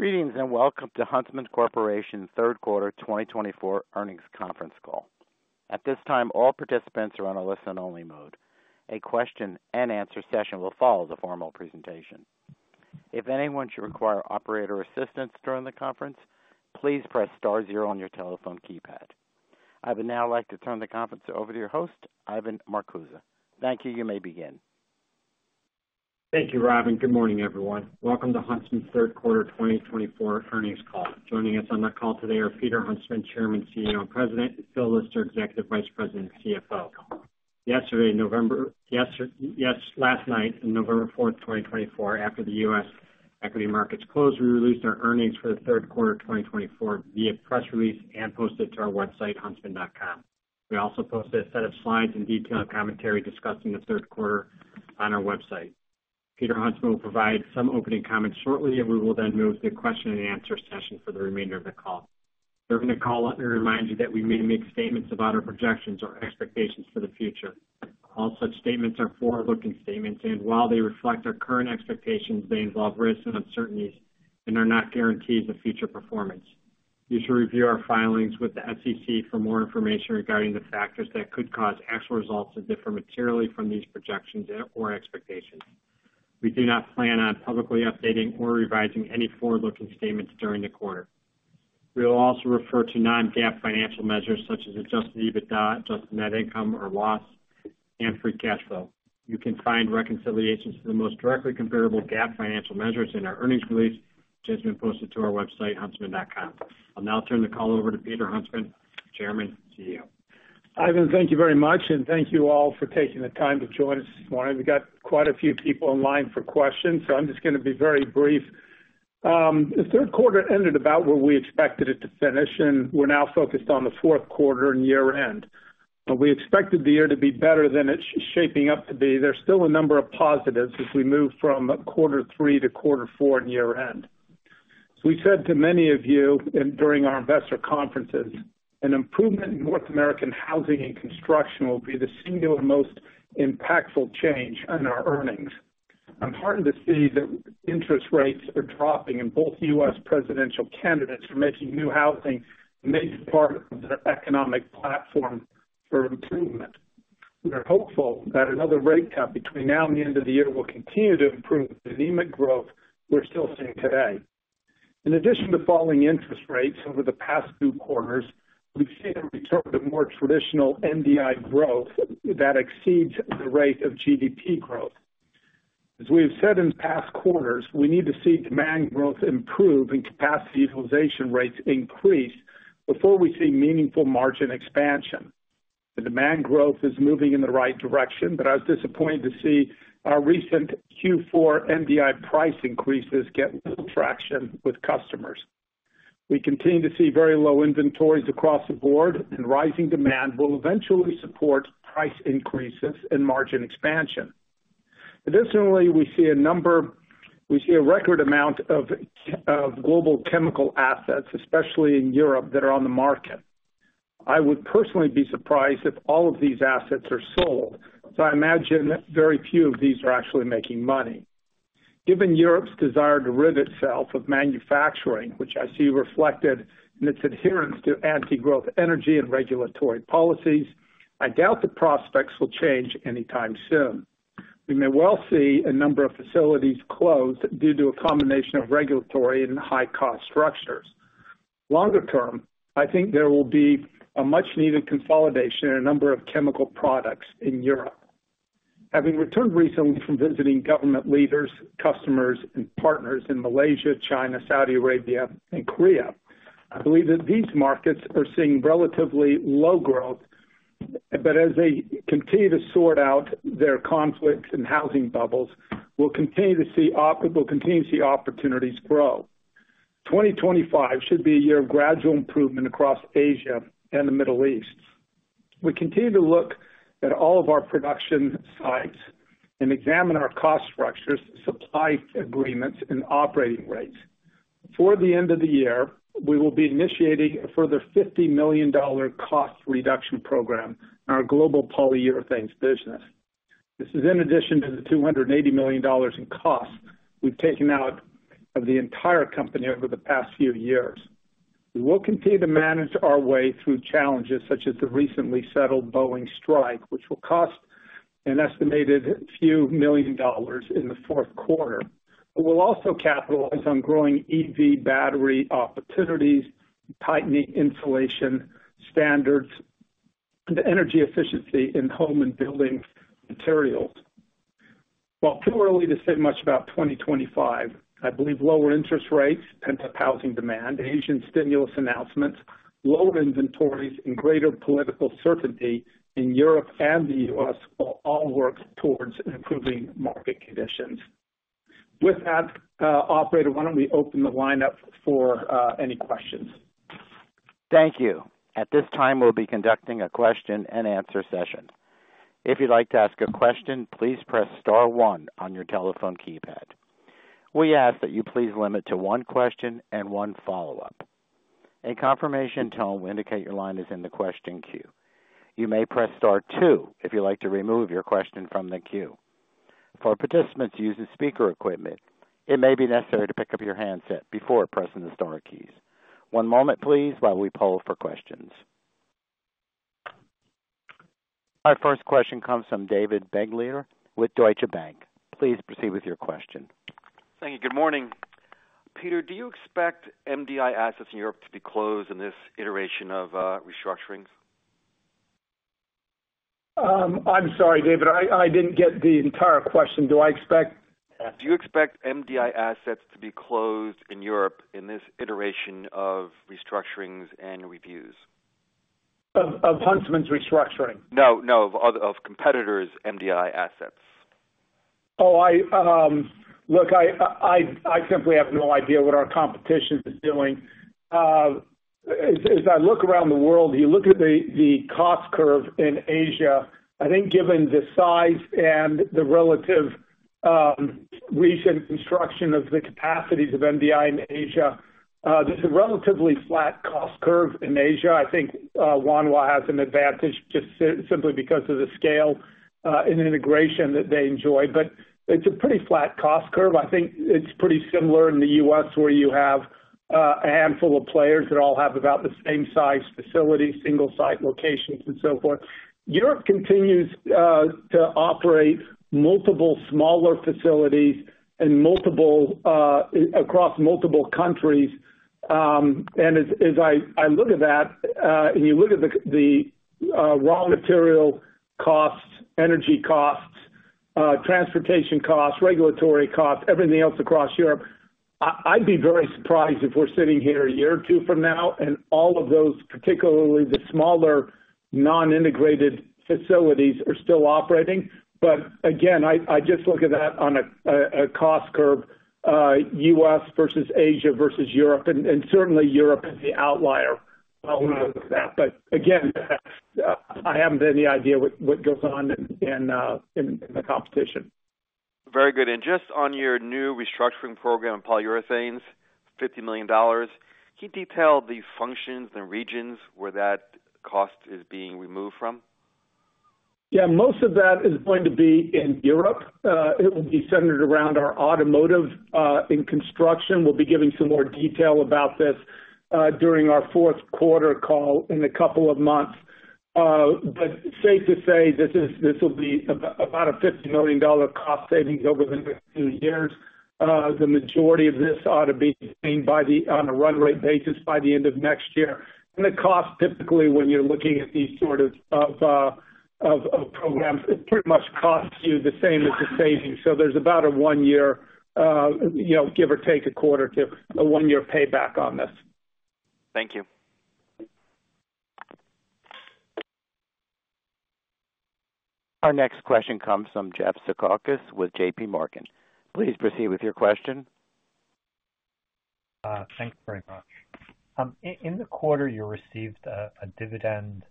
Greetings and welcome to Huntsman Corporation's Third Quarter 2024 Earnings Conference Call. At this time, all participants are on a listen-only mode. A question-and-answer session will follow the formal presentation. If anyone should require operator assistance during the conference, please press star zero on your telephone keypad. I would now like to turn the conference over to your host, Ivan Marcuse. Thank you. You may begin. Thank you, Robin. Good morning, everyone. Welcome to Huntsman's Third Quarter 2024 Earnings Call. Joining us on the call today are Peter Huntsman, Chairman, CEO, and President, and Phil Lister, Executive Vice President and CFO. Yesterday, yes, last night, on November 4th, 2024, after the U.S. equity markets closed, we released our earnings for the third quarter 2024 via press release and posted it to our website, huntsman.com. We also posted a set of slides and detailed commentary discussing the third quarter on our website. Peter Huntsman will provide some opening comments shortly, and we will then move to the question-and-answer session for the remainder of the call. During the call, let me remind you that we may make statements about our projections or expectations for the future. All such statements are forward-looking statements, and while they reflect our current expectations, they involve risks and uncertainties and are not guarantees of future performance. You should review our filings with the SEC for more information regarding the factors that could cause actual results to differ materially from these projections or expectations. We do not plan on publicly updating or revising any forward-looking statements during the quarter. We will also refer to Non-GAAP financial measures such as Adjusted EBITDA, adjusted net income, or loss, and Free Cash Flow. You can find reconciliations to the most directly comparable GAAP financial measures in our earnings release, which has been posted to our website, Huntsman.com. I'll now turn the call over to Peter Huntsman, Chairman, CEO. Ivan, thank you very much, and thank you all for taking the time to join us this morning. We've got quite a few people in line for questions, so I'm just going to be very brief. The third quarter ended about where we expected it to finish, and we're now focused on the fourth quarter and year-end. We expected the year to be better than it's shaping up to be. There's still a number of positives as we move from quarter three to quarter four and year-end. We've said to many of you during our investor conferences, an improvement in North American housing and construction will be the singular most impactful change in our earnings. I'm heartened to see that interest rates are dropping, and both U.S. presidential candidates are making new housing a major part of their economic platform for improvement. We are hopeful that another rate cut between now and the end of the year will continue to improve the anemic growth we're still seeing today. In addition to falling interest rates over the past two quarters, we've seen a return to more traditional MDI growth that exceeds the rate of GDP growth. As we have said in past quarters, we need to see demand growth improve and capacity utilization rates increase before we see meaningful margin expansion. The demand growth is moving in the right direction, but I was disappointed to see our recent Q4 MDI price increases get little traction with customers. We continue to see very low inventories across the board, and rising demand will eventually support price increases and margin expansion. Additionally, we see a record amount of global chemical assets, especially in Europe, that are on the market. I would personally be surprised if all of these assets are sold, so I imagine very few of these are actually making money. Given Europe's desire to rid itself of manufacturing, which I see reflected in its adherence to anti-growth energy and regulatory policies, I doubt the prospects will change anytime soon. We may well see a number of facilities closed due to a combination of regulatory and high-cost structures. Longer term, I think there will be a much-needed consolidation in a number of chemical products in Europe. Having returned recently from visiting government leaders, customers, and partners in Malaysia, China, Saudi Arabia, and Korea, I believe that these markets are seeing relatively low growth, but as they continue to sort out their conflicts and housing bubbles, we'll continue to see opportunities grow. 2025 should be a year of gradual improvement across Asia and the Middle East. We continue to look at all of our production sites and examine our cost structures, supply agreements, and operating rates. Before the end of the year, we will be initiating a further $50 million cost reduction program in our global polyurethane business. This is in addition to the $280 million in costs we've taken out of the entire company over the past few years. We will continue to manage our way through challenges such as the recently settled Boeing strike, which will cost an estimated few million dollars in the fourth quarter. We'll also capitalize on growing EV battery opportunities, tightening insulation standards, and energy efficiency in home and building materials. While too early to say much about 2025, I believe lower interest rates and housing demand, Asian stimulus announcements, lower inventories, and greater political certainty in Europe and the U.S. will all work towards improving market conditions. With that, Operator, why don't we open the line up for any questions? Thank you. At this time, we'll be conducting a question-and-answer session. If you'd like to ask a question, please press star one on your telephone keypad. We ask that you please limit to one question and one follow-up. In confirmation tone, we indicate your line is in the question queue. You may press star two if you'd like to remove your question from the queue. For participants using speaker equipment, it may be necessary to pick up your handset before pressing the star keys. One moment, please, while we poll for questions. Our first question comes from David Begleiter with Deutsche Bank. Please proceed with your question. Thank you. Good morning. Peter, do you expect MDI assets in Europe to be closed in this iteration of restructurings? I'm sorry, David. I didn't get the entire question. Do I expect? Do you expect MDI assets to be closed in Europe in this iteration of restructurings and reviews? Of Huntsman's restructuring? No, no. Of competitors' MDI assets. Oh, look, I simply have no idea what our competition is doing. As I look around the world, you look at the cost curve in Asia. I think given the size and the relative recent construction of the capacities of MDI in Asia, there's a relatively flat cost curve in Asia. I think Wanhua has an advantage just simply because of the scale and integration that they enjoy, but it's a pretty flat cost curve. I think it's pretty similar in the U.S. where you have a handful of players that all have about the same size facilities, single-site locations, and so forth. Europe continues to operate multiple smaller facilities across multiple countries. And as I look at that, and you look at the raw material costs, energy costs, transportation costs, regulatory costs, everything else across Europe, I'd be very surprised if we're sitting here a year or two from now and all of those, particularly the smaller non-integrated facilities, are still operating. But again, I just look at that on a cost curve, U.S. versus Asia versus Europe, and certainly Europe is the outlier when we look at that. But again, I haven't any idea what goes on in the competition. Very good. And just on your new restructuring program in polyurethanes, $50 million, can you detail the functions and regions where that cost is being removed from? Yeah. Most of that is going to be in Europe. It will be centered around our automotive and construction. We'll be giving some more detail about this during our fourth quarter call in a couple of months. But safe to say this will be about a $50 million cost savings over the next few years. The majority of this ought to be obtained on a run rate basis by the end of next year. And the cost, typically, when you're looking at these sort of programs, it pretty much costs you the same as the savings. So there's about a one-year, give or take a quarter to a one-year payback on this. Thank you. Our next question comes from Jeff Zekauskas with J.P. Morgan. Please proceed with your question. Thanks very much. In the quarter, you received a dividend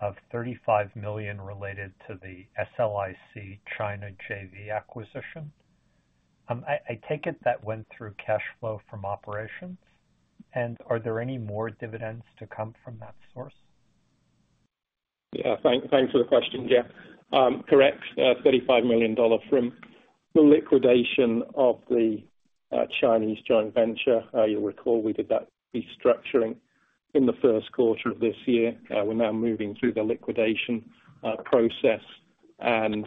of $35 million related to the SLIC China JV acquisition. I take it that went through cash flow from operations. And are there any more dividends to come from that source? Yeah. Thanks for the question, Jeff. Correct. $35 million from the liquidation of the Chinese joint venture. You'll recall we did that restructuring in the first quarter of this year. We're now moving through the liquidation process, and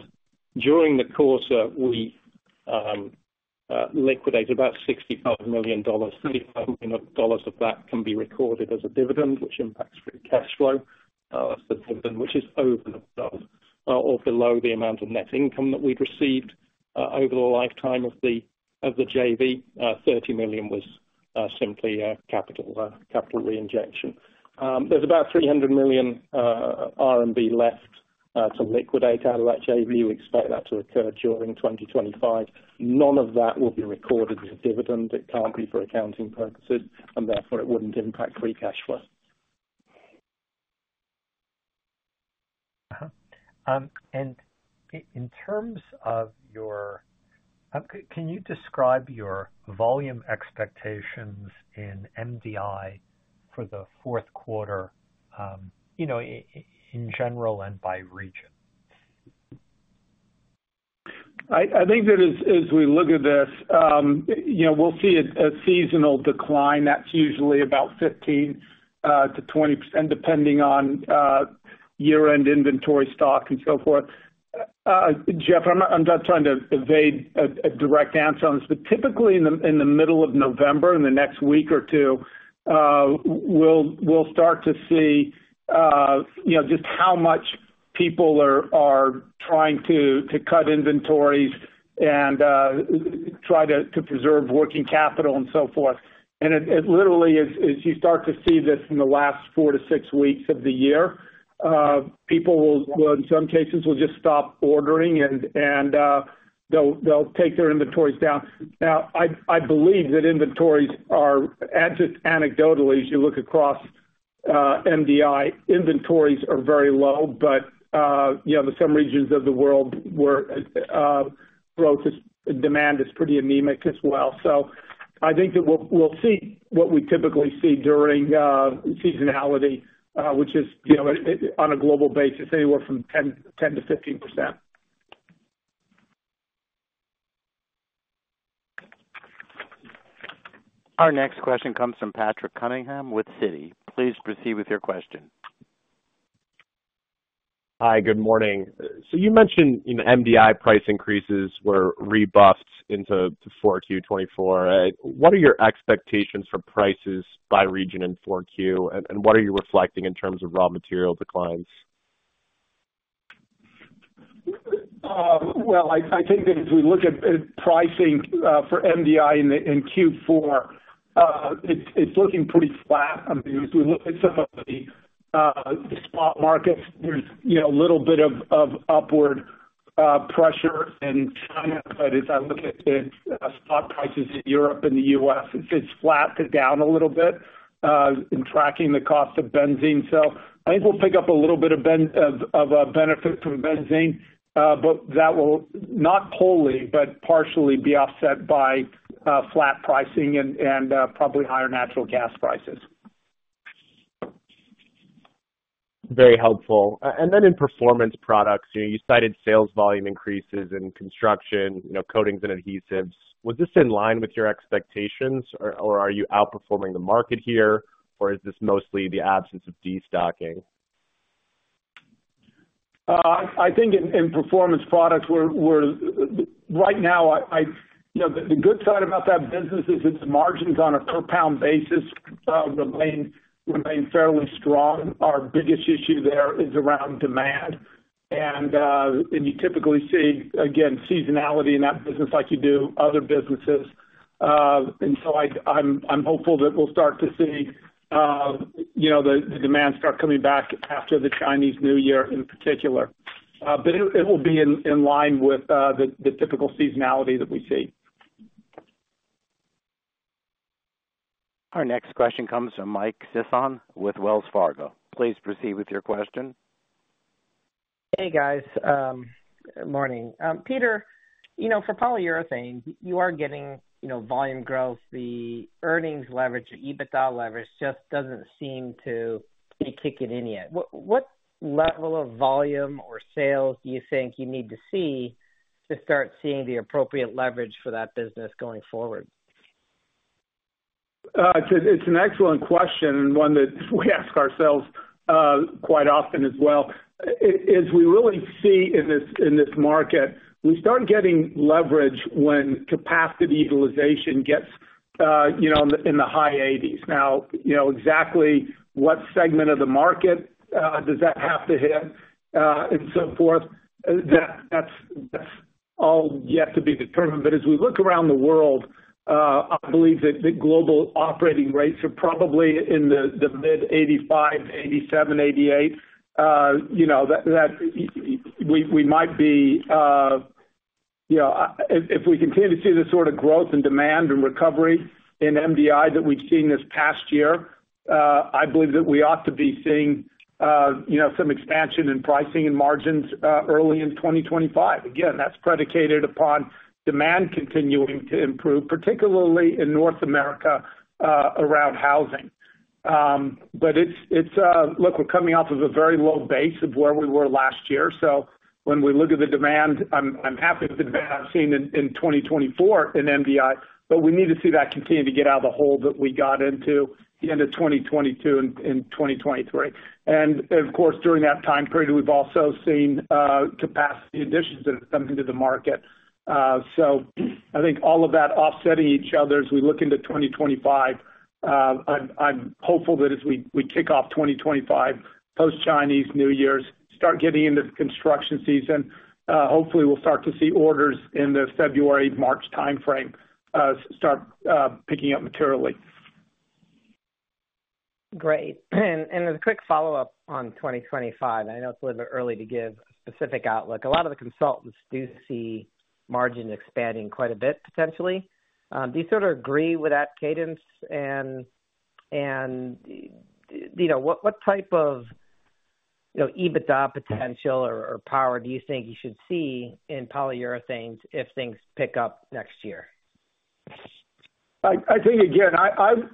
during the quarter, we liquidated about $65 million. $35 million of that can be recorded as a dividend, which impacts free cash flow. That's the dividend, which is over the amount of net income that we'd received over the lifetime of the JV. $30 million was simply capital reinjection. There's about $300 million R&D left to liquidate out of that JV. We expect that to occur during 2025. None of that will be recorded as a dividend. It can't be for accounting purposes, and therefore it wouldn't impact free cash flow. In terms of your, can you describe your volume expectations in MDI for the fourth quarter in general and by region? I think that as we look at this, we'll see a seasonal decline. That's usually about 15%-20%, depending on year-end inventory stock and so forth. Jeff, I'm not trying to evade a direct answer on this, but typically in the middle of November, in the next week or two, we'll start to see just how much people are trying to cut inventories and try to preserve working capital and so forth. And literally, as you start to see this in the last four to six weeks of the year, people will, in some cases, just stop ordering, and they'll take their inventories down. Now, I believe that inventories are—and just anecdotally, as you look across MDI, inventories are very low, but some regions of the world where growth demand is pretty anemic as well. So I think that we'll see what we typically see during seasonality, which is on a global basis, anywhere from 10%-15%. Our next question comes from Patrick Cunningham with Citi. Please proceed with your question. Hi. Good morning. So you mentioned MDI price increases were rebuffed into 4Q 2024. What are your expectations for prices by region in 4Q, and what are you reflecting in terms of raw material declines? I think that as we look at pricing for MDI in Q4, it's looking pretty flat. I mean, as we look at some of the spot markets, there's a little bit of upward pressure in China. But as I look at spot prices in Europe and the U.S., it's flat to down a little bit in tracking the cost of benzene. So I think we'll pick up a little bit of benefit from benzene, but that will not wholly, but partially be offset by flat pricing and probably higher natural gas prices. Very helpful. And then in Performance Products, you cited sales volume increases in construction, coatings, and adhesives. Was this in line with your expectations, or are you outperforming the market here, or is this mostly the absence of destocking? I think in Performance Products, right now, the good side about that business is its margins on a per-pound basis remain fairly strong. Our biggest issue there is around demand. And you typically see, again, seasonality in that business like you do other businesses. And so I'm hopeful that we'll start to see the demand start coming back after the Chinese New Year in particular. But it will be in line with the typical seasonality that we see. Our next question comes from Mike Sisson with Wells Fargo. Please proceed with your question. Hey, guys. Good morning. Peter, for polyurethane, you are getting volume growth. The earnings leverage, the EBITDA leverage, just doesn't seem to be kicking in yet. What level of volume or sales do you think you need to see to start seeing the appropriate leverage for that business going forward? It's an excellent question and one that we ask ourselves quite often as well. As we really see in this market, we start getting leverage when capacity utilization gets in the high 80s. Now, exactly what segment of the market does that have to hit and so forth, that's all yet to be determined. But as we look around the world, I believe that global operating rates are probably in the mid-85, 87, 88. We might be, if we continue to see this sort of growth and demand and recovery in MDI that we've seen this past year, I believe that we ought to be seeing some expansion in pricing and margins early in 2025. Again, that's predicated upon demand continuing to improve, particularly in North America around housing. But look, we're coming off of a very low base of where we were last year. So when we look at the demand, I'm happy with the demand I've seen in 2024 in MDI, but we need to see that continue to get out of the hole that we got into the end of 2022 and 2023. And of course, during that time period, we've also seen capacity additions that have come into the market. So I think all of that offsetting each other as we look into 2025. I'm hopeful that as we kick off 2025, post-Chinese New Year's, start getting into the construction season, hopefully we'll start to see orders in the February/March timeframe start picking up materially. Great, and as a quick follow-up on 2025, I know it's a little bit early to give a specific outlook. A lot of the consultants do see margin expanding quite a bit potentially. Do you sort of agree with that cadence? And what type of EBITDA potential or power do you think you should see in polyurethanes if things pick up next year? I think, again,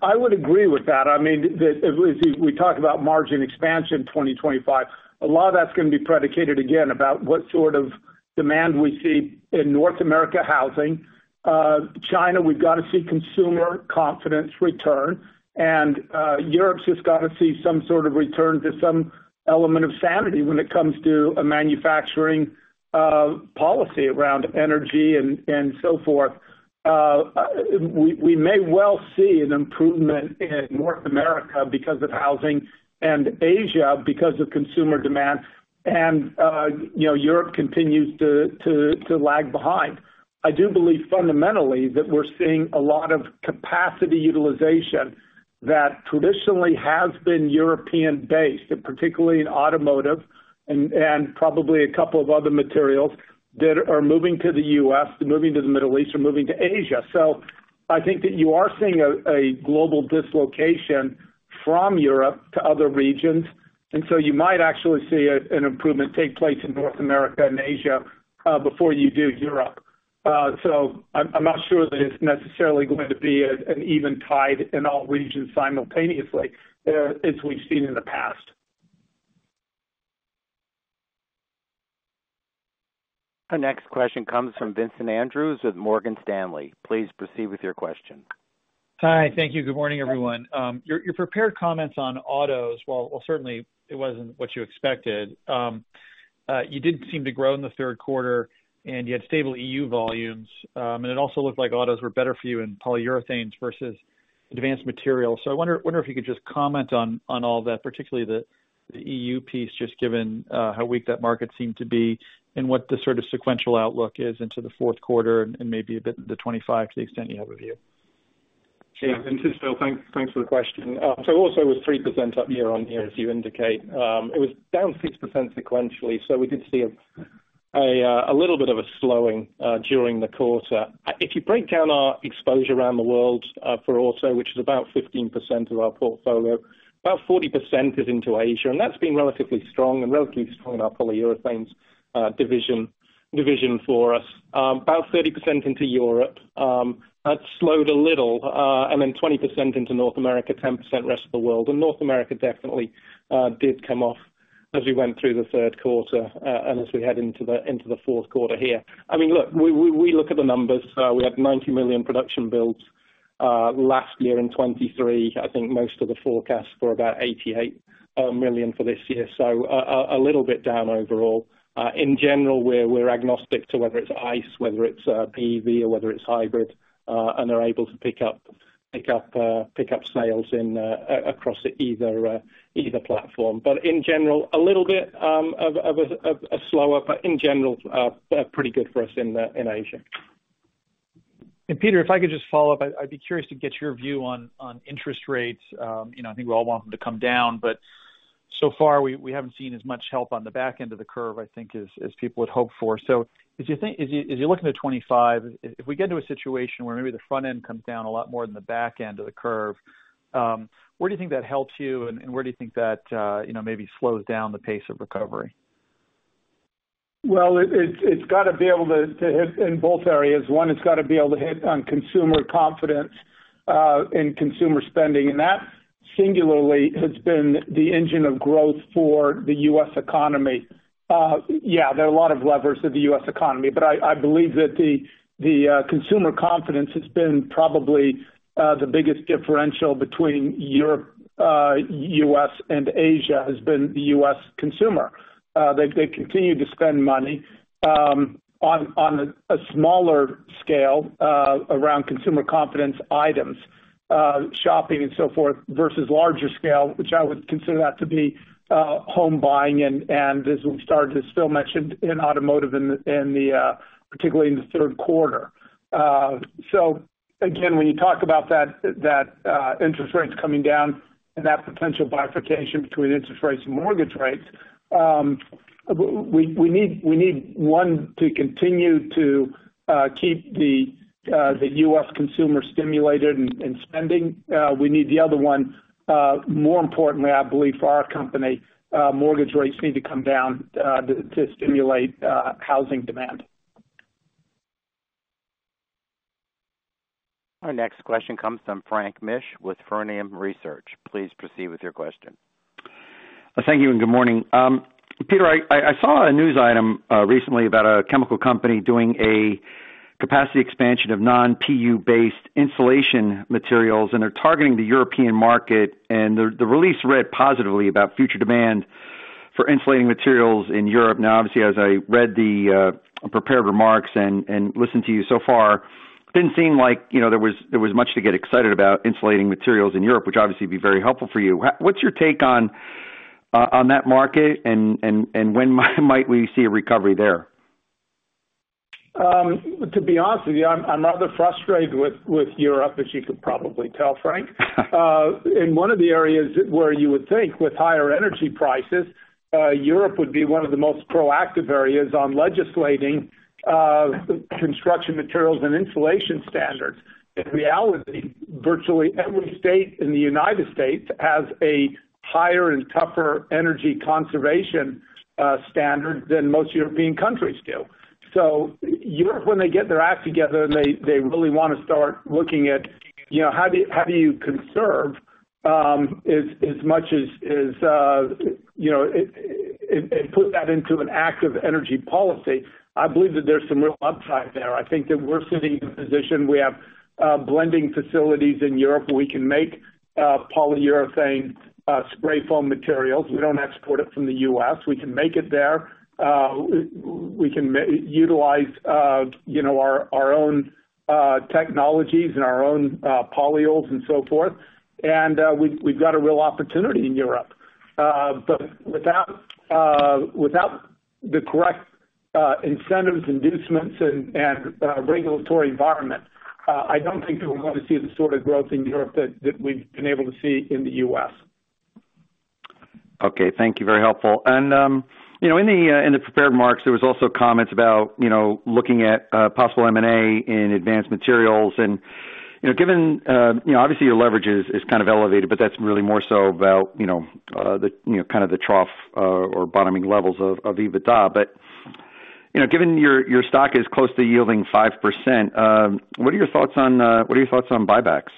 I would agree with that. I mean, as we talk about margin expansion 2025, a lot of that's going to be predicated again about what sort of demand we see in North America housing. China, we've got to see consumer confidence return, and Europe's just got to see some sort of return to some element of sanity when it comes to a manufacturing policy around energy and so forth. We may well see an improvement in North America because of housing and Asia because of consumer demand, and Europe continues to lag behind. I do believe fundamentally that we're seeing a lot of capacity utilization that traditionally has been European-based, particularly in automotive and probably a couple of other materials that are moving to the U.S., moving to the Middle East, or moving to Asia. So I think that you are seeing a global dislocation from Europe to other regions. And so you might actually see an improvement take place in North America and Asia before you do Europe. So I'm not sure that it's necessarily going to be an even tide in all regions simultaneously as we've seen in the past. Our next question comes from Vincent Andrews with Morgan Stanley. Please proceed with your question. Hi. Thank you. Good morning, everyone. Your prepared comments on autos, well, certainly it wasn't what you expected. You didn't seem to grow in the third quarter, and you had stable EU volumes. And it also looked like autos were better for you in polyurethanes versus advanced materials. So I wonder if you could just comment on all that, particularly the EU piece, just given how weak that market seemed to be and what the sort of sequential outlook is into the fourth quarter and maybe a bit into 2025 to the extent you have a view. Yeah, and thanks for the question. So also it was 3% up year on year, as you indicate. It was down 6% sequentially. So we did see a little bit of a slowing during the quarter. If you break down our exposure around the world for auto, which is about 15% of our portfolio, about 40% is into Asia. And that's been relatively strong and relatively strong in our polyurethanes division for us. About 30% into Europe. That slowed a little. And then 20% into North America, 10% rest of the world. And North America definitely did come off as we went through the third quarter and as we head into the fourth quarter here. I mean, look, we look at the numbers. We had 90 million production builds last year in 2023. I think most of the forecasts for about 88 million for this year. A little bit down overall. In general, we're agnostic to whether it's ICE, whether it's PEV, or whether it's hybrid, and are able to pick up sales across either platform. In general, a little bit of a slower, but in general, pretty good for us in Asia. Peter, if I could just follow up, I'd be curious to get your view on interest rates. I think we all want them to come down, but so far we haven't seen as much help on the back end of the curve, I think, as people would hope for. So as you're looking to 2025, if we get into a situation where maybe the front end comes down a lot more than the back end of the curve, where do you think that helps you, and where do you think that maybe slows down the pace of recovery? It's got to be able to hit in both areas. One, it's got to be able to hit on consumer confidence and consumer spending. And that singularly has been the engine of growth for the U.S. economy. Yeah, there are a lot of levers of the U.S. economy, but I believe that the consumer confidence has been probably the biggest differential between Europe, U.S., and Asia has been the U.S. consumer. They continue to spend money on a smaller scale around consumer confidence items, shopping, and so forth, versus larger scale, which I would consider that to be home buying and, as we started, as Phil mentioned, in automotive, particularly in the third quarter. So again, when you talk about that interest rates coming down and that potential bifurcation between interest rates and mortgage rates, we need one to continue to keep the U.S. consumer stimulated and spending. We need the other one. More importantly, I believe for our company, mortgage rates need to come down to stimulate housing demand. Our next question comes from Frank Mitsch with Fermium Research. Please proceed with your question. Thank you and good morning. Peter, I saw a news item recently about a chemical company doing a capacity expansion of non-PU-based insulation materials, and they're targeting the European market, and the release read positively about future demand for insulating materials in Europe. Now, obviously, as I read the prepared remarks and listened to you so far, it didn't seem like there was much to get excited about insulating materials in Europe, which obviously would be very helpful for you. What's your take on that market, and when might we see a recovery there? To be honest with you, I'm rather frustrated with Europe, as you could probably tell, Frank. In one of the areas where you would think with higher energy prices, Europe would be one of the most proactive areas on legislating construction materials and insulation standards. In reality, virtually every state in the United States has a higher and tougher energy conservation standard than most European countries do. So Europe, when they get their act together, they really want to start looking at how do you conserve as much as and put that into an active energy policy. I believe that there's some real upside there. I think that we're sitting in a position we have blending facilities in Europe where we can make polyurethane spray foam materials. We don't export it from the U.S. We can make it there. We can utilize our own technologies and our own polyols and so forth. And we've got a real opportunity in Europe. But without the correct incentives, inducements, and regulatory environment, I don't think that we're going to see the sort of growth in Europe that we've been able to see in the U.S. Okay. Thank you. Very helpful. And in the prepared remarks, there were also comments about looking at possible M&A in advanced materials. And given obviously, your leverage is kind of elevated, but that's really more so about kind of the trough or bottoming levels of EBITDA. But given your stock is close to yielding 5%, what are your thoughts on buybacks?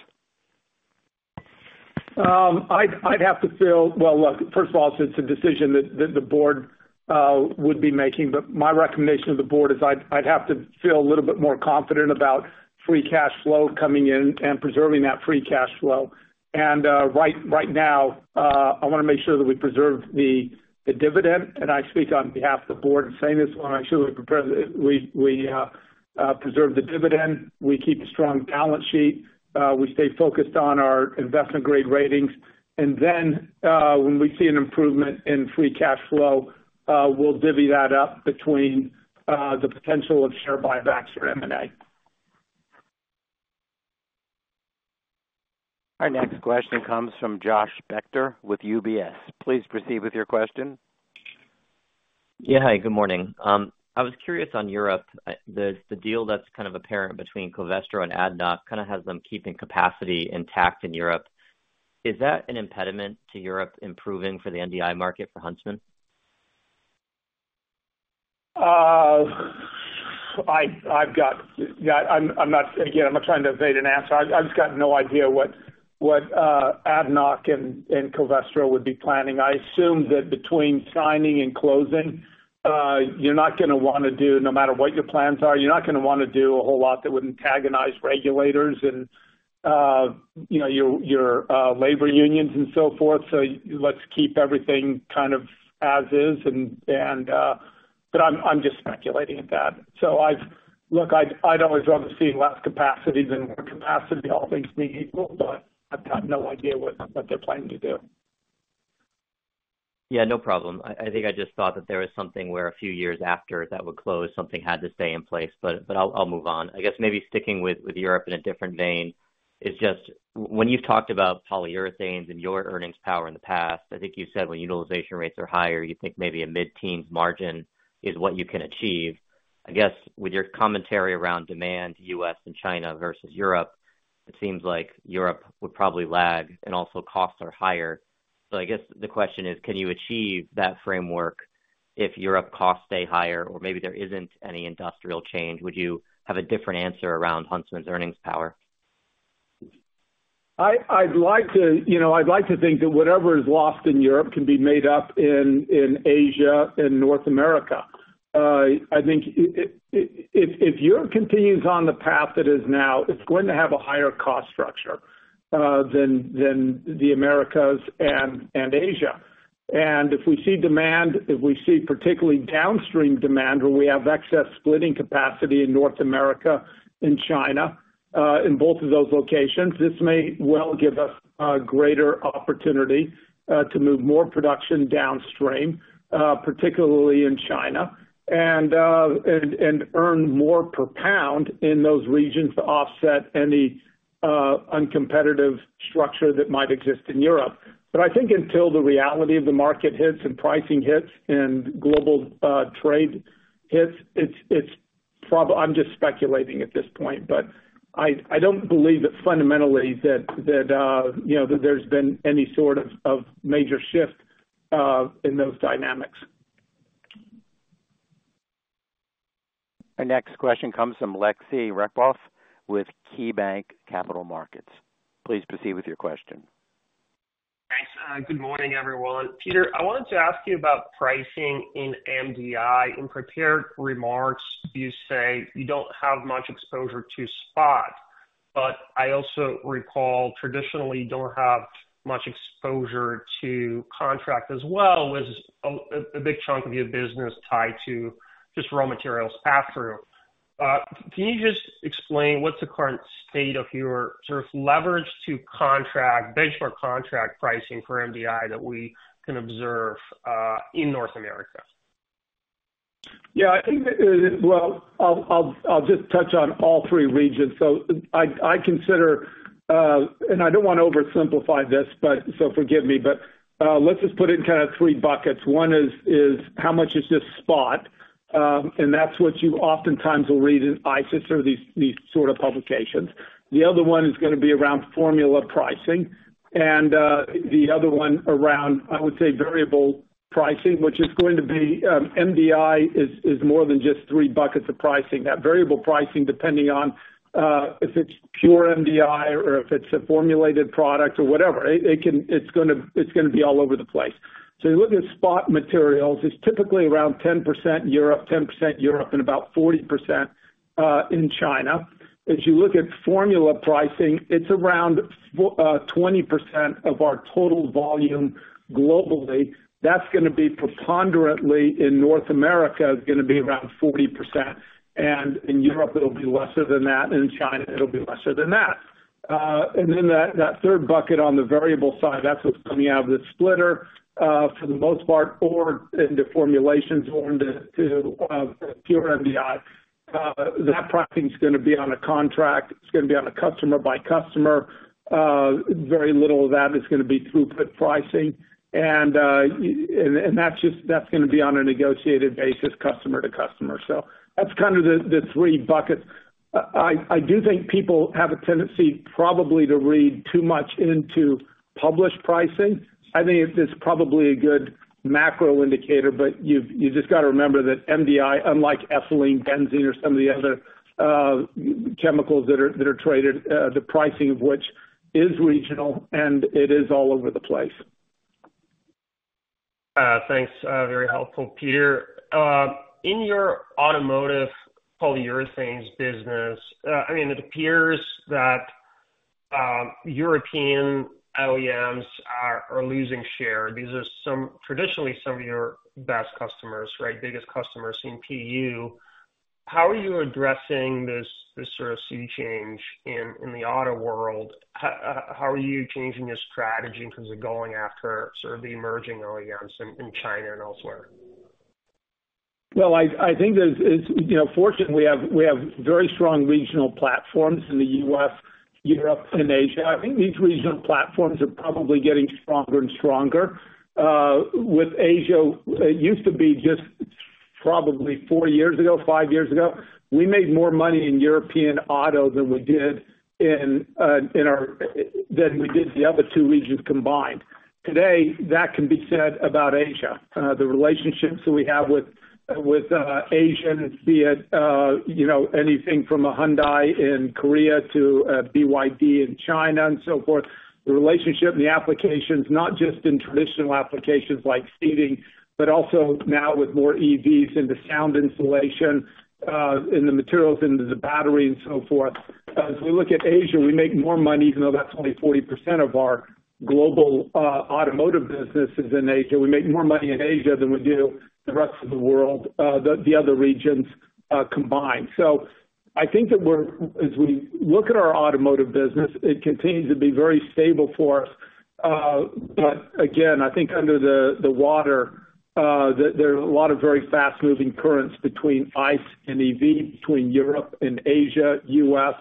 I'd have to feel, well, look, first of all, it's a decision that the board would be making. But my recommendation to the board is I'd have to feel a little bit more confident about free cash flow coming in and preserving that free cash flow. And right now, I want to make sure that we preserve the dividend. And I speak on behalf of the board in saying this. I want to make sure we preserve the dividend. We keep a strong balance sheet. We stay focused on our investment-grade ratings. And then when we see an improvement in free cash flow, we'll divvy that up between the potential of share buybacks or M&A. Our next question comes from Josh Spector with UBS. Please proceed with your question. Yeah. Hi. Good morning. I was curious on Europe. The deal that's kind of apparent between Covestro and ADNOC kind of has them keeping capacity intact in Europe. Is that an impediment to Europe improving for the MDI market for Huntsman? Again, I'm not trying to evade an answer. I've just got no idea what ADNOC and Covestro would be planning. I assume that between signing and closing, no matter what your plans are, you're not going to want to do a whole lot that would antagonize regulators and your labor unions and so forth. So let's keep everything kind of as is. But I'm just speculating at that. So look, I'd always rather see less capacity than more capacity, all things being equal. But I've got no idea what they're planning to do. Yeah. No problem. I think I just thought that there was something where a few years after that would close, something had to stay in place, but I'll move on. I guess maybe sticking with Europe in a different vein is just when you've talked about polyurethanes and your earnings power in the past, I think you said when utilization rates are higher, you think maybe a mid-teens margin is what you can achieve. I guess with your commentary around demand, U.S. and China versus Europe, it seems like Europe would probably lag and also costs are higher, so I guess the question is, can you achieve that framework if Europe costs stay higher or maybe there isn't any industrial change? Would you have a different answer around Huntsman's earnings power? I'd like to think that whatever is lost in Europe can be made up in Asia and North America. I think if Europe continues on the path it is now, it's going to have a higher cost structure than the Americas and Asia, and if we see demand, if we see particularly downstream demand, where we have excess splitting capacity in North America and China in both of those locations, this may well give us a greater opportunity to move more production downstream, particularly in China, and earn more per pound in those regions to offset any uncompetitive structure that might exist in Europe, but I think until the reality of the market hits and pricing hits and global trade hits, I'm just speculating at this point, but I don't believe that fundamentally that there's been any sort of major shift in those dynamics. Our next question comes from Aleksey Yefremov with KeyBanc Capital Markets. Please proceed with your question. Thanks. Good morning, everyone. Peter, I wanted to ask you about pricing in MDI. In prepared remarks, you say you don't have much exposure to spot. But I also recall traditionally you don't have much exposure to contract as well with a big chunk of your business tied to just raw materials pass-through. Can you just explain what's the current state of your sort of leverage to contract, benchmark contract pricing for MDI that we can observe in North America? Yeah. Well, I'll just touch on all three regions. So I consider, and I don't want to oversimplify this, so forgive me, but let's just put it in kind of three buckets. One is how much is just spot. And that's what you oftentimes will read in ICIS or these sort of publications. The other one is going to be around formula pricing. And the other one around, I would say, variable pricing, which is going to be MDI is more than just three buckets of pricing. That variable pricing, depending on if it's pure MDI or if it's a formulated product or whatever, it's going to be all over the place. So you look at spot materials, it's typically around 10% Europe, 10% Europe, and about 40% in China. As you look at formula pricing, it's around 20% of our total volume globally. That's going to be preponderantly in North America is going to be around 40%. And in Europe, it'll be lesser than that. And in China, it'll be lesser than that. And then that third bucket on the variable side, that's what's coming out of the splitter for the most part, or into formulations or into pure MDI. That pricing is going to be on a contract. It's going to be on a customer-by-customer. Very little of that is going to be throughput pricing. And that's going to be on a negotiated basis, customer to customer. So that's kind of the three buckets. I do think people have a tendency probably to read too much into published pricing. I think it's probably a good macro indicator, but you just got to remember that MDI, unlike ethylene, benzene, or some of the other chemicals that are traded, the pricing of which is regional, and it is all over the place. Thanks. Very helpful. Peter, in your automotive polyurethane business, I mean, it appears that European OEMs are losing share. These are traditionally some of your best customers, right, biggest customers in PU. How are you addressing this sort of sea change in the auto world? How are you changing your strategy in terms of going after sort of the emerging OEMs in China and elsewhere? I think fortunately, we have very strong regional platforms in the U.S., Europe, and Asia. I think these regional platforms are probably getting stronger and stronger. With Asia, it used to be just probably four years ago, five years ago, we made more money in European auto than we did the other two regions combined. Today, that can be said about Asia. The relationships that we have with Asian, be it anything from a Hyundai in Korea to a BYD in China and so forth, the relationship and the applications, not just in traditional applications like seating, but also now with more EVs into sound insulation, in the materials into the battery, and so forth. As we look at Asia, we make more money, even though that's only 40% of our global automotive businesses in Asia. We make more money in Asia than we do the rest of the world, the other regions combined. So I think that as we look at our automotive business, it continues to be very stable for us. But again, I think under the water, there are a lot of very fast-moving currents between ICE and EV, between Europe and Asia, U.S.,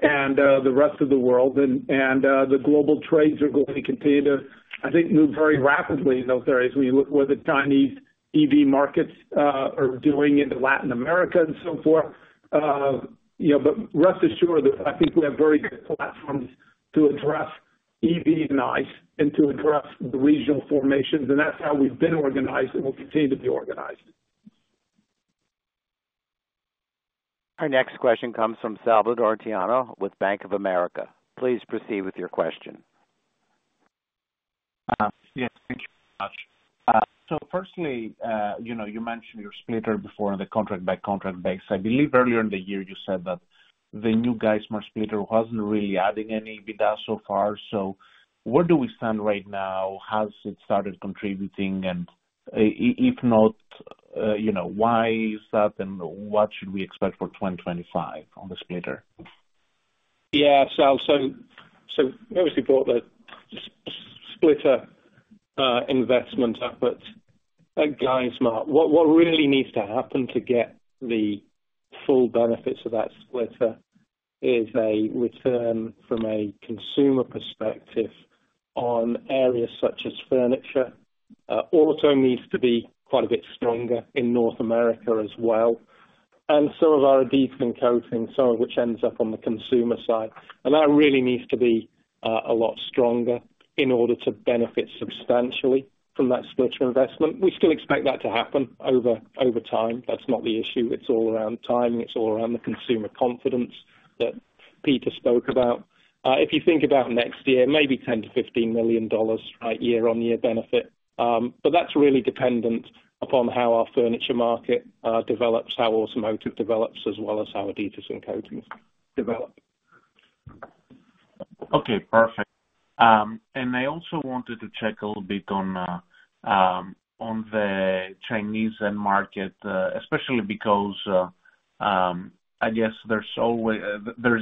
and the rest of the world. And the global trades are going to continue to, I think, move very rapidly in those areas when you look at what the Chinese EV markets are doing in Latin America and so forth. But rest assured that I think we have very good platforms to address EV and ICE and to address the regional formations. And that's how we've been organized and will continue to be organized. Our next question comes from Salvator Tiano with Bank of America. Please proceed with your question. Yes. Thank you, Josh. So firstly, you mentioned your splitter before on the contract-by-contract basis. I believe earlier in the year you said that the new Geismar splitter wasn't really adding any EBITDA so far. So where do we stand right now? Has it started contributing? And if not, why is that? And what should we expect for 2025 on the splitter? Yeah. So obviously, brought the splitter investment up at Geismar. What really needs to happen to get the full benefits of that splitter is a return from a consumer perspective on areas such as furniture. Auto needs to be quite a bit stronger in North America as well. And some of our adhesive and coating, some of which ends up on the consumer side. And that really needs to be a lot stronger in order to benefit substantially from that splitter investment. We still expect that to happen over time. That's not the issue. It's all around timing. It's all around the consumer confidence that Peter spoke about. If you think about next year, maybe $10 million-$15 million year-on-year benefit. But that's really dependent upon how our furniture market develops, how automotive develops, as well as how adhesives and coatings develop. Okay. Perfect. And I also wanted to check a little bit on the Chinese end market, especially because I guess there's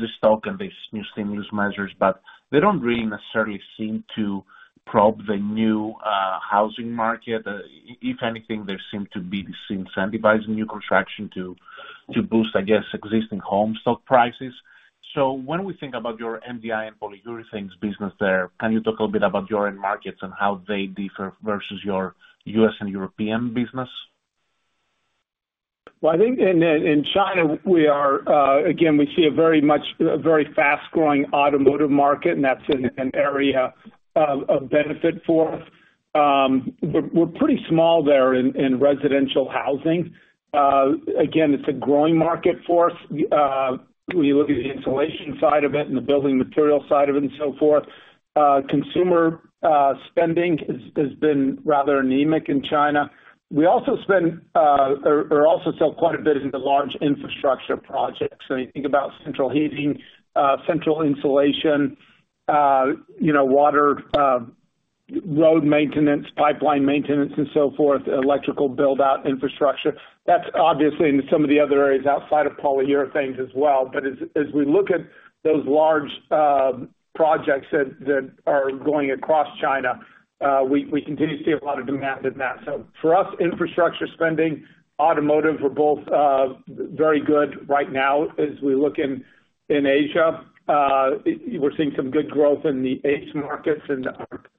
this talk and these new stimulus measures, but they don't really necessarily seem to prop the new housing market. If anything, there seem to be this incentivizing new construction to boost, I guess, existing home stock prices. So when we think about your MDI and polyurethane business there, can you talk a little bit about your end markets and how they differ versus your U.S. and European business? I think in China, again, we see a very fast-growing automotive market, and that's an area of benefit for us. We're pretty small there in residential housing. Again, it's a growing market for us. When you look at the insulation side of it and the building material side of it and so forth, consumer spending has been rather anemic in China. We also sell quite a bit into large infrastructure projects. So you think about central heating, central insulation, water, road maintenance, pipeline maintenance, and so forth, electrical build-out infrastructure. That's obviously in some of the other areas outside of polyurethane as well. But as we look at those large projects that are going across China, we continue to see a lot of demand in that. So for us, infrastructure spending, automotive, are both very good right now. As we look in Asia, we're seeing some good growth in the ACE markets and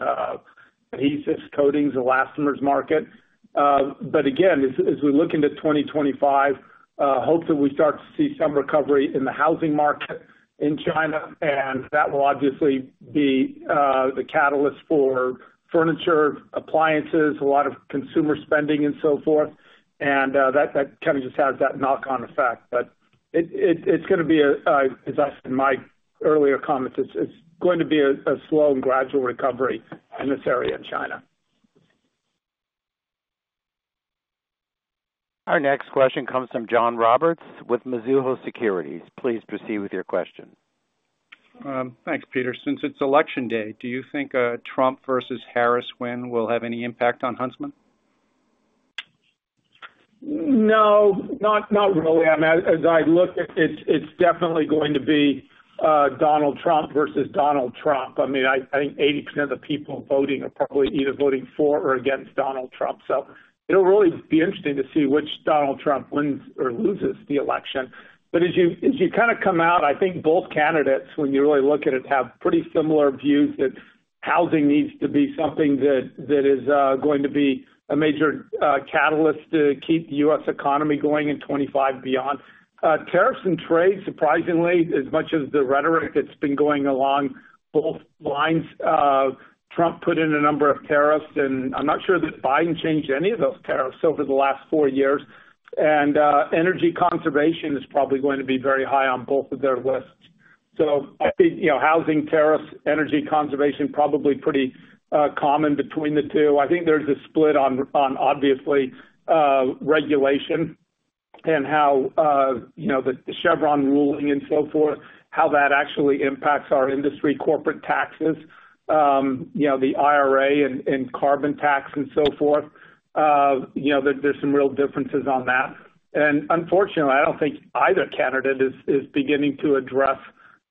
adhesives, coatings, elastomers market, but again, as we look into 2025, hopefully we start to see some recovery in the housing market in China, and that will obviously be the catalyst for furniture, appliances, a lot of consumer spending, and so forth, and that kind of just has that knock-on effect, but it's going to be, as I said in my earlier comments, it's going to be a slow and gradual recovery in this area in China. Our next question comes from John Roberts with Mizuho Securities. Please proceed with your question. Thanks, Peter. Since it's election day, do you think a Trump versus Harris win will have any impact on Huntsman? No, not really. As I look at it, it's definitely going to be Donald Trump versus Donald Trump. I mean, I think 80% of the people voting are probably either voting for or against Donald Trump. So it'll really be interesting to see which Donald Trump wins or loses the election. But as you kind of come out, I think both candidates, when you really look at it, have pretty similar views that housing needs to be something that is going to be a major catalyst to keep the U.S. economy going in 2025 and beyond. Tariffs and trade, surprisingly, as much as the rhetoric that's been going along both lines, Trump put in a number of tariffs. And I'm not sure that Biden changed any of those tariffs over the last four years. And energy conservation is probably going to be very high on both of their lists. So I think housing tariffs, energy conservation, probably pretty common between the two. I think there's a split on obviously regulation and how the Chevron ruling and so forth, how that actually impacts our industry, corporate taxes, the IRA and carbon tax and so forth. There's some real differences on that. And unfortunately, I don't think either candidate is beginning to address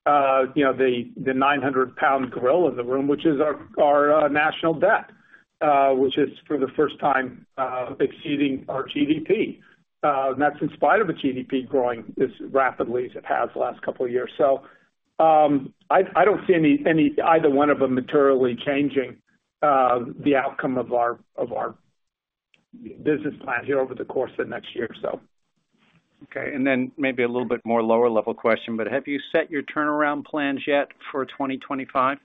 the 900 lbs gorilla in the room, which is our national debt, which is for the first time exceeding our GDP. And that's in spite of a GDP growing as rapidly as it has the last couple of years. So I don't see either one of them materially changing the outcome of our business plan here over the course of the next year or so. Okay. And then maybe a little bit more lower-level question, but have you set your turnaround plans yet for 2025?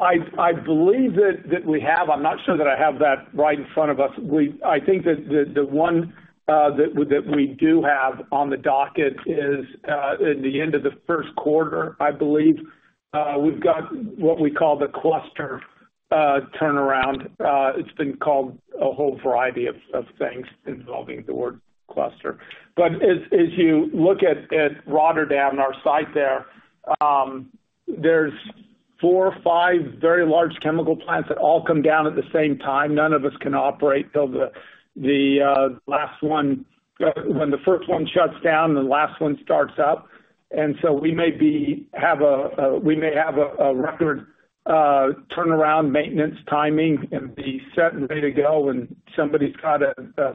I believe that we have. I'm not sure that I have that right in front of us. I think that the one that we do have on the docket is at the end of the first quarter, I believe. We've got what we call the cluster turnaround. It's been called a whole variety of things involving the word cluster. But as you look at Rotterdam, our site there, there's four or five very large chemical plants that all come down at the same time. None of us can operate till the last one when the first one shuts down and the last one starts up. And so we may have a record turnaround maintenance timing and be set and ready to go. And somebody's got a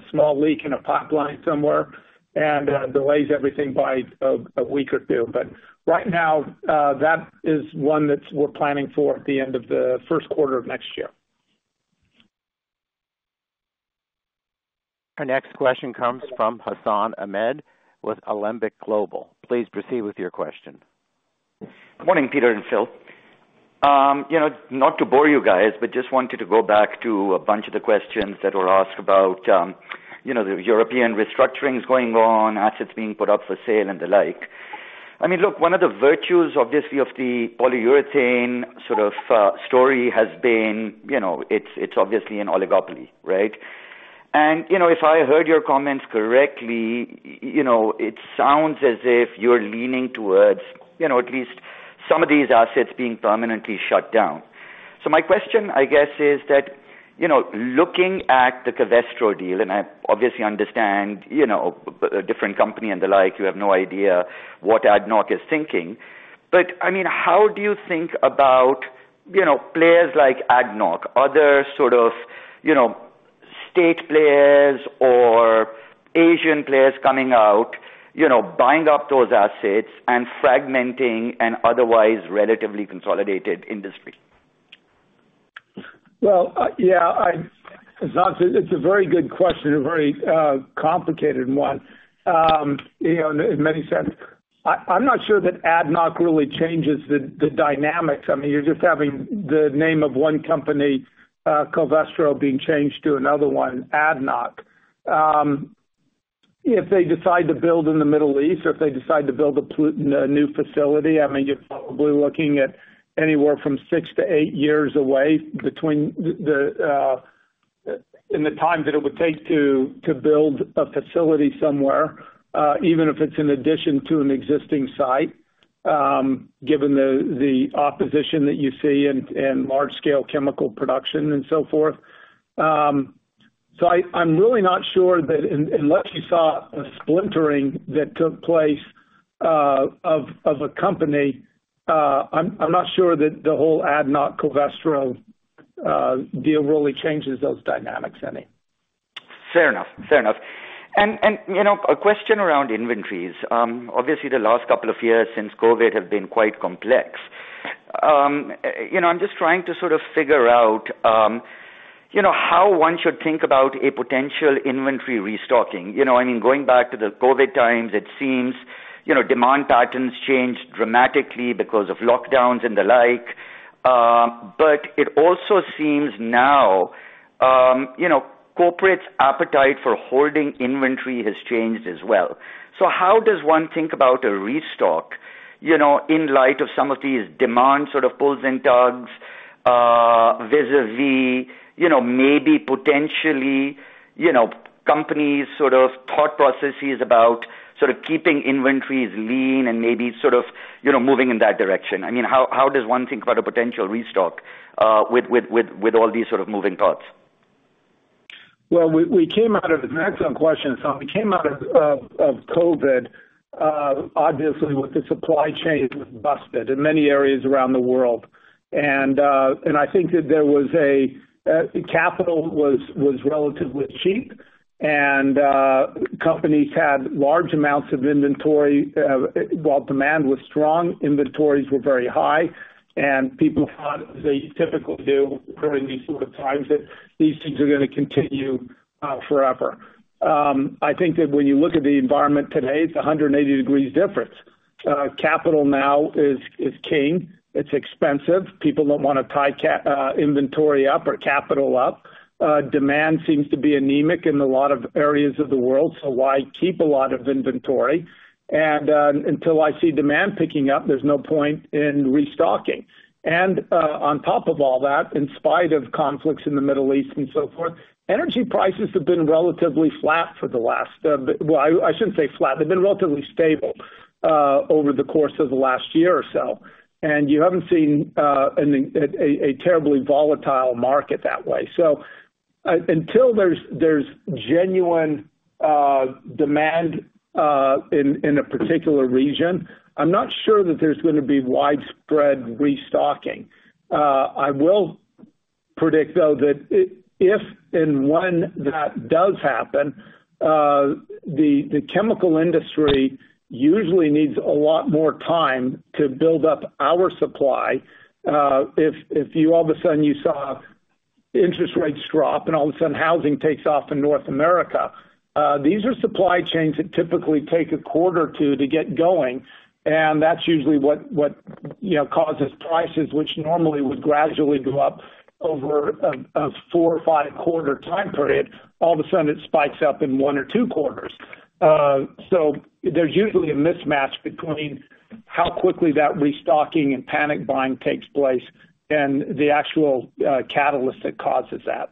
small leak in a pipeline somewhere and delays everything by a week or two. But right now, that is one that we're planning for at the end of the first quarter of next year. Our next question comes from Hassan Ahmed with Alembic Global Advisors. Please proceed with your question. Good morning, Peter and Phil. Not to bore you guys, but just wanted to go back to a bunch of the questions that were asked about the European restructurings going on, assets being put up for sale, and the like. I mean, look, one of the virtues, obviously, of the polyurethane sort of story has been it's obviously an oligopoly, right? And if I heard your comments correctly, it sounds as if you're leaning towards at least some of these assets being permanently shut down. So my question, I guess, is that looking at the Covestro deal, and I obviously understand a different company and the like, you have no idea what ADNOC is thinking. But I mean, how do you think about players like ADNOC, other sort of state players or Asian players coming out, buying up those assets and fragmenting an otherwise relatively consolidated industry? Yeah, it's a very good question and a very complicated one in many senses. I'm not sure that ADNOC really changes the dynamics. I mean, you're just having the name of one company, Covestro, being changed to another one, ADNOC. If they decide to build in the Middle East or if they decide to build a new facility, I mean, you're probably looking at anywhere from six to eight years away in the time that it would take to build a facility somewhere, even if it's in addition to an existing site, given the opposition that you see in large-scale chemical production and so forth. So I'm really not sure that unless you saw a splintering that took place of a company, I'm not sure that the whole ADNOC-Covestro deal really changes those dynamics any. Fair enough. Fair enough. And a question around inventories. Obviously, the last couple of years since COVID have been quite complex. I'm just trying to sort of figure out how one should think about a potential inventory restocking. I mean, going back to the COVID times, it seems demand patterns changed dramatically because of lockdowns and the like. But it also seems now corporate's appetite for holding inventory has changed as well. So how does one think about a restock in light of some of these demand sort of pulls and tugs vis-à-vis maybe potentially companies' sort of thought processes about sort of keeping inventories lean and maybe sort of moving in that direction? I mean, how does one think about a potential restock with all these sort of moving thoughts? We came out of an excellent quarter. We came out of COVID, obviously, with the supply chains busted in many areas around the world. I think that capital was relatively cheap, and companies had large amounts of inventory. While demand was strong, inventories were very high. People thought, as they typically do during these sort of times, that these things are going to continue forever. When you look at the environment today, it's a 180-degree difference. Capital now is king. It's expensive. People don't want to tie inventory up or capital up. Demand seems to be anemic in a lot of areas of the world. Why keep a lot of inventory? Until I see demand picking up, there's no point in restocking. And on top of all that, in spite of conflicts in the Middle East and so forth, energy prices have been relatively flat for the last, well, I shouldn't say flat. They've been relatively stable over the course of the last year or so. And you haven't seen a terribly volatile market that way. So until there's genuine demand in a particular region, I'm not sure that there's going to be widespread restocking. I will predict, though, that if and when that does happen, the chemical industry usually needs a lot more time to build up our supply. If all of a sudden you saw interest rates drop and all of a sudden housing takes off in North America, these are supply chains that typically take a quarter or two to get going. And that's usually what causes prices, which normally would gradually go up over a four or five-quarter time period. All of a sudden, it spikes up in one or two quarters. So there's usually a mismatch between how quickly that restocking and panic buying takes place and the actual catalyst that causes that.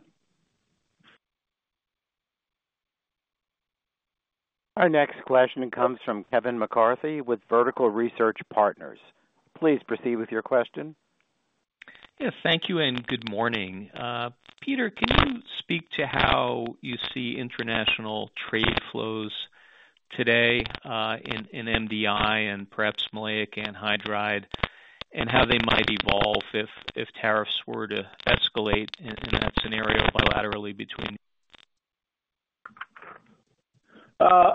Our next question comes from Kevin McCarthy with Vertical Research Partners. Please proceed with your question. Yes, thank you and good morning. Peter, can you speak to how you see international trade flows today in MDI and perhaps Maleic Anhydride and how they might evolve if tariffs were to escalate in that scenario bilaterally between?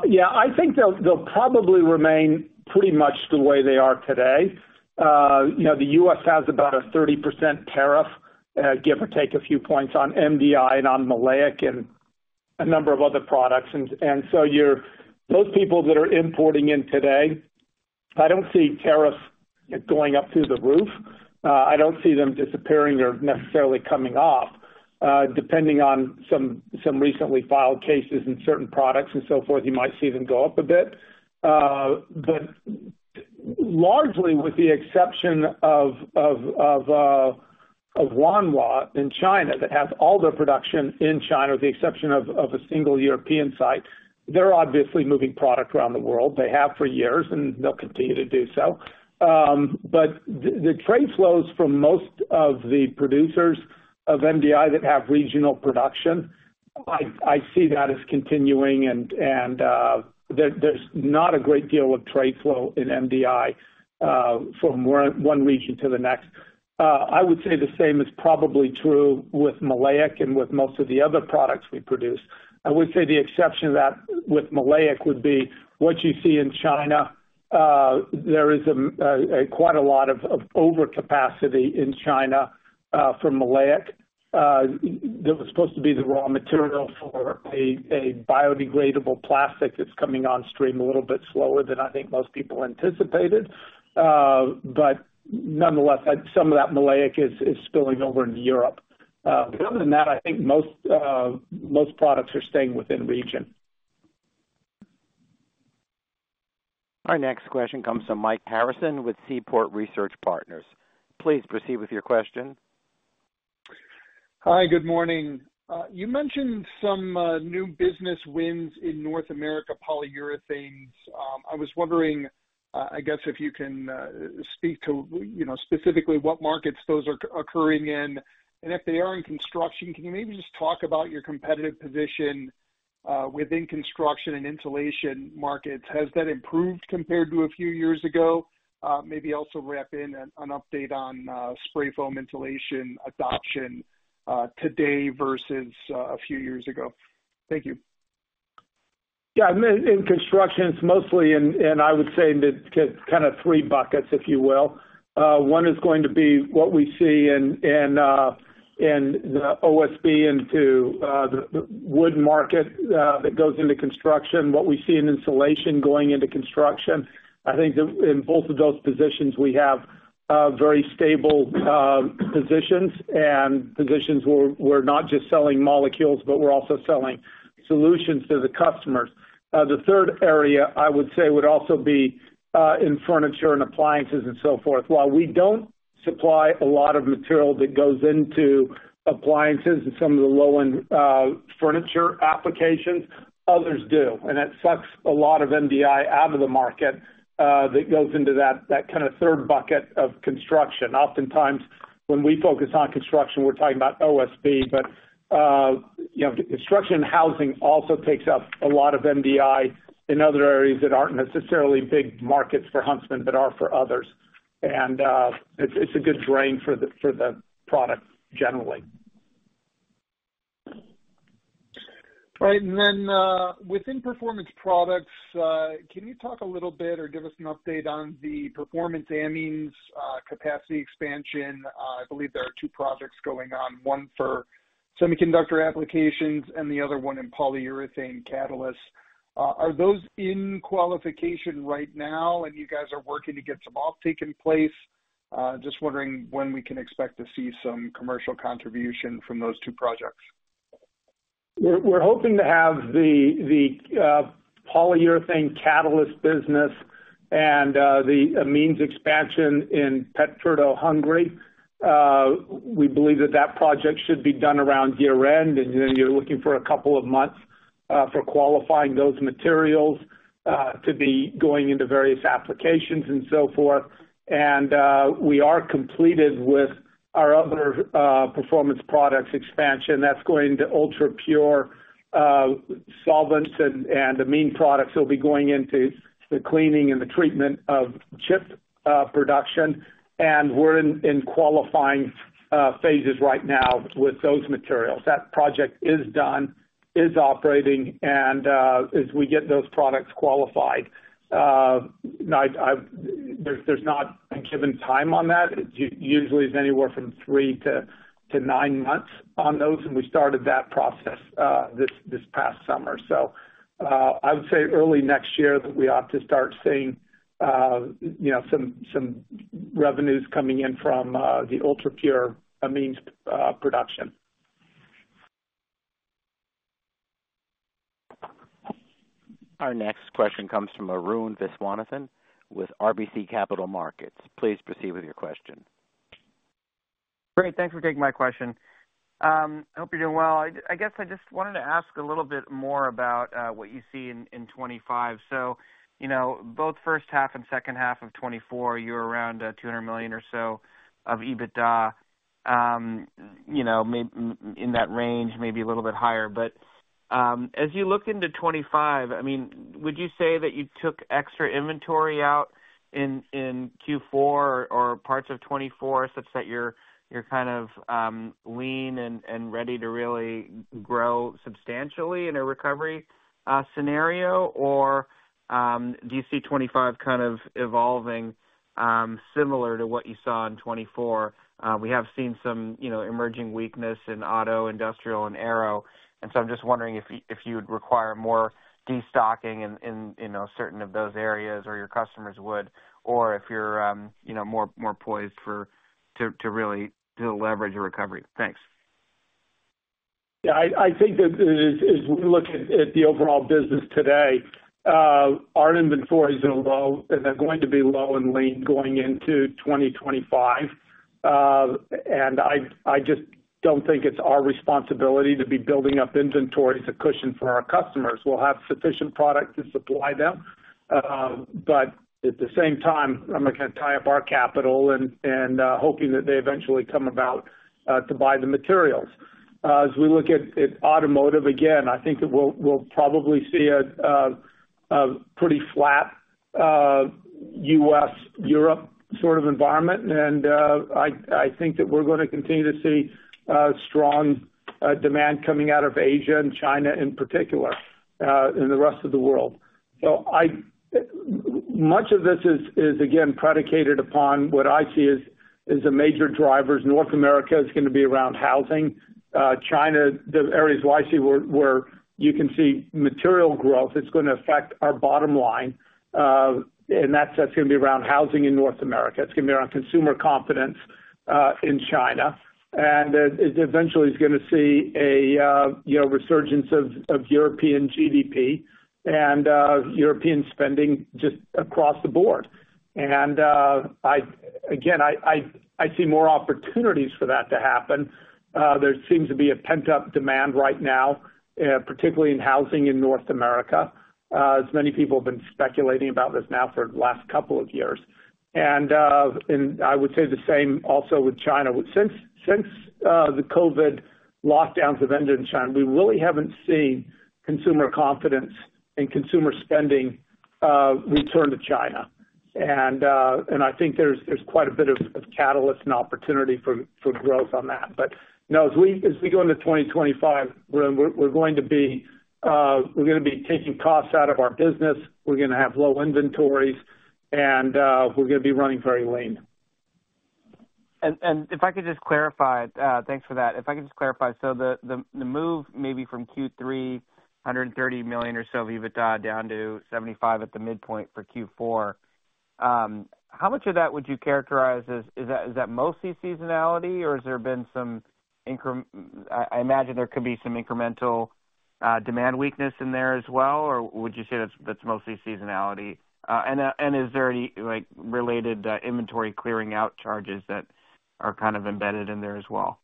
Yeah, I think they'll probably remain pretty much the way they are today. The U.S. has about a 30% tariff, give or take a few points on MDI and on Maleic and a number of other products. And so those people that are importing in today, I don't see tariffs going up through the roof. I don't see them disappearing or necessarily coming off. Depending on some recently filed cases and certain products and so forth, you might see them go up a bit. But largely, with the exception of Wanhua in China that has all their production in China with the exception of a single European site, they're obviously moving product around the world. They have for years, and they'll continue to do so. But the trade flows from most of the producers of MDI that have regional production, I see that as continuing. There's not a great deal of trade flow in MDI from one region to the next. I would say the same is probably true with maleic and with most of the other products we produce. I would say the exception of that with maleic would be what you see in China. There is quite a lot of overcapacity in China for maleic that was supposed to be the raw material for a biodegradable plastic that's coming on stream a little bit slower than I think most people anticipated. But nonetheless, some of that maleic is spilling over into Europe. Other than that, I think most products are staying within region. Our next question comes from Mike Harrison with Seaport Research Partners. Please proceed with your question. Hi, good morning. You mentioned some new business wins in North America polyurethanes. I was wondering, I guess, if you can speak to specifically what markets those are occurring in, and if they are in construction, can you maybe just talk about your competitive position within construction and insulation markets? Has that improved compared to a few years ago? Maybe also wrap in an update on spray foam insulation adoption today versus a few years ago. Thank you. Yeah, in construction, it's mostly, and I would say kind of three buckets, if you will. One is going to be what we see in the OSB into the wood market that goes into construction, what we see in insulation going into construction. I think in both of those positions, we have very stable positions and positions where we're not just selling molecules, but we're also selling solutions to the customers. The third area, I would say, would also be in furniture and appliances and so forth. While we don't supply a lot of material that goes into appliances and some of the low-end furniture applications, others do and that sucks a lot of MDI out of the market that goes into that kind of third bucket of construction. Oftentimes, when we focus on construction, we're talking about OSB, but construction and housing also takes up a lot of MDI in other areas that aren't necessarily big markets for Huntsman but are for others, and it's a good drain for the product generally. All right. And then within Performance Products, can you talk a little bit or give us an update on the performance amines capacity expansion? I believe there are two projects going on, one for semiconductor applications and the other one in polyurethane catalysts. Are those in qualification right now? And you guys are working to get some offtake in place. Just wondering when we can expect to see some commercial contribution from those two projects. We're hoping to have the polyurethane catalyst business and the amines expansion in Pétfürdő, Hungary. We believe that that project should be done around year-end, and then you're looking for a couple of months for qualifying those materials to be going into various applications and so forth, and we are completed with our other Performance Products expansion. That's going to ultra-pure solvents and amine products. They'll be going into the cleaning and the treatment of chip production, and we're in qualifying phases right now with those materials. That project is done, is operating, and as we get those products qualified, there's not a given time on that. Usually, it's anywhere from three to nine months on those, and we started that process this past summer, so I would say early next year that we ought to start seeing some revenues coming in from the ultra-pure amines production. Our next question comes from Arun Viswanathan with RBC Capital Markets. Please proceed with your question. Great. Thanks for taking my question. I hope you're doing well. I guess I just wanted to ask a little bit more about what you see in 2025. So both first half and second half of 2024, you're around $200 million or so of EBITDA, in that range, maybe a little bit higher. But as you look into 2025, I mean, would you say that you took extra inventory out in Q4 or parts of 2024 such that you're kind of lean and ready to really grow substantially in a recovery scenario? Or do you see 2025 kind of evolving similar to what you saw in 2024? We have seen some emerging weakness in auto, industrial, and aero. And so I'm just wondering if you'd require more destocking in certain of those areas or your customers would, or if you're more poised to really leverage a recovery. Thanks. Yeah, I think that as we look at the overall business today, our inventory is going to be low and lean going into 2025. And I just don't think it's our responsibility to be building up inventory as a cushion for our customers. We'll have sufficient product to supply them. But at the same time, I'm going to tie up our capital and hoping that they eventually come about to buy the materials. As we look at automotive, again, I think that we'll probably see a pretty flat U.S.-Europe sort of environment. And I think that we're going to continue to see strong demand coming out of Asia and China in particular in the rest of the world. So much of this is, again, predicated upon what I see as the major drivers. North America is going to be around housing. China, the areas where I see you can see material growth, it's going to affect our bottom line. And that's going to be around housing in North America. It's going to be around consumer confidence in China. And eventually, it's going to see a resurgence of European GDP and European spending just across the board. And again, I see more opportunities for that to happen. There seems to be a pent-up demand right now, particularly in housing in North America, as many people have been speculating about this now for the last couple of years. And I would say the same also with China. Since the COVID lockdowns have ended in China, we really haven't seen consumer confidence and consumer spending return to China. And I think there's quite a bit of catalyst and opportunity for growth on that. But no, as we go into 2025, we're going to be taking costs out of our business. We're going to have low inventories, and we're going to be running very lean. Thanks for that. If I could just clarify, so the move maybe from Q3, $130 million or so of EBITDA down to $75 at the midpoint for Q4, how much of that would you characterize as? Is that mostly seasonality, or has there been some? I imagine there could be some incremental demand weakness in there as well. Or would you say that's mostly seasonality? And is there any related inventory clearing-out charges that are kind of embedded in there as well?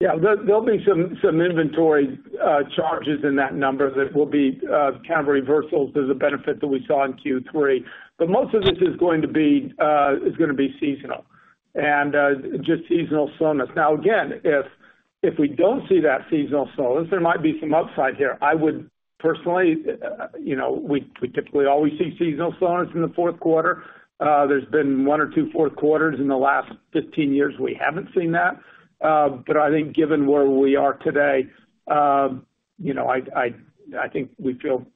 Yeah, there'll be some inventory charges in that number that will be kind of reversals to the benefit that we saw in Q3. But most of this is going to be seasonal and just seasonal slowness. Now, again, if we don't see that seasonal slowness, there might be some upside here. I would personally - we typically always see seasonal slowness in the fourth quarter. There's been one or two fourth quarters in the last 15 years we haven't seen that. But I think given where we are today, I think we feel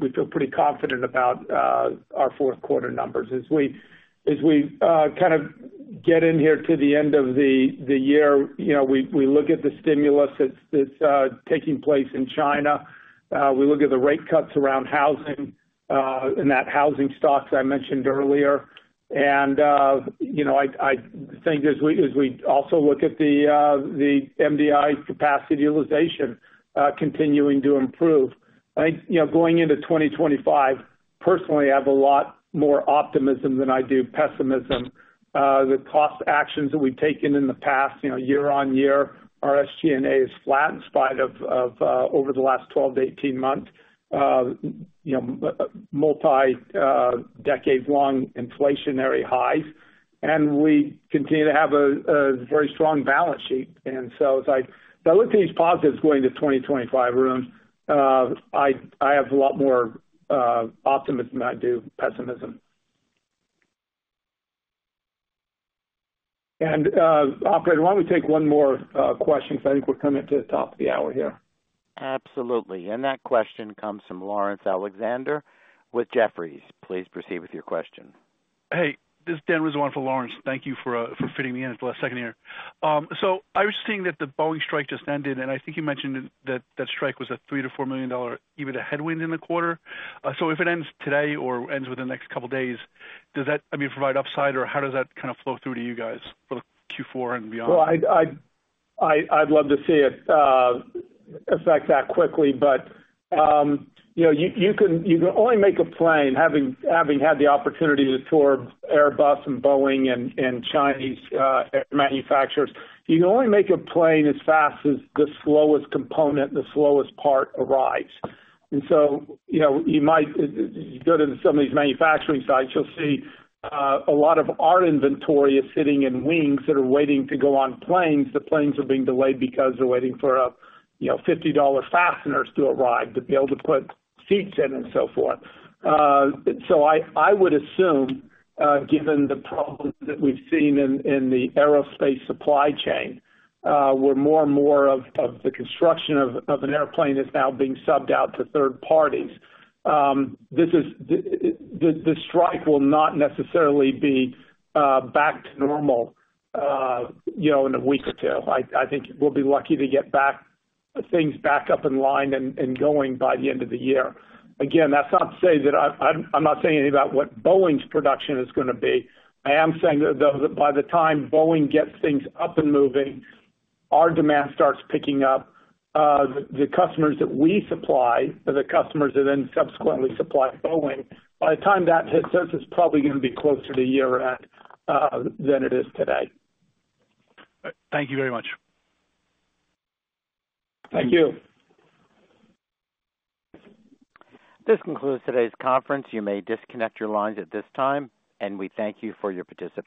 pretty confident about our fourth quarter numbers. As we kind of get in here to the end of the year, we look at the stimulus that's taking place in China. We look at the rate cuts around housing and that housing stock I mentioned earlier. I think as we also look at the MDI capacity utilization continuing to improve, I think going into 2025, personally, I have a lot more optimism than I do pessimism. The cost actions that we've taken in the past, year on year, our SG&A is flat in spite of over the last 12-18 months, multi-decade-long inflationary highs. We continue to have a very strong balance sheet. So as I look at these positives going into 2025, Arun, I have a lot more optimism than I do pessimism. Operator, why don't we take one more question because I think we're coming to the top of the hour here? Absolutely. And that question comes from Lawrence Alexander with Jefferies. Please proceed with your question. Hey, this is Dan Rizzo on for Lawrence. Thank you for fitting me in for the last second here. So I was seeing that the Boeing strike just ended, and I think you mentioned that that strike was a $3 million-$4 million EBITDA headwind in the quarter. So if it ends today or ends within the next couple of days, does that, I mean, provide upside or how does that kind of flow through to you guys for Q4 and beyond? I'd love to see it affect that quickly, but you can only make a plane having had the opportunity to tour Airbus and Boeing and Chinese aircraft manufacturers. You can only make a plane as fast as the slowest component, the slowest part arrives. So you go to some of these manufacturing sites, you'll see a lot of our inventory is sitting in wings that are waiting to go on planes. The planes are being delayed because they're waiting for $50 fasteners to arrive to be able to put seats in and so forth. So I would assume, given the problems that we've seen in the aerospace supply chain, where more and more of the construction of an airplane is now being subbed out to third parties, the strike will not necessarily be back to normal in a week or two. I think we'll be lucky to get things back up in line and going by the end of the year. Again, that's not to say that I'm not saying anything about what Boeing's production is going to be. I am saying that by the time Boeing gets things up and moving, our demand starts picking up. The customers that we supply are the customers that then subsequently supply Boeing. By the time that hits, this is probably going to be closer to year-end than it is today. Thank you very much. Thank you. This concludes today's conference. You may disconnect your lines at this time, and we thank you for your participation.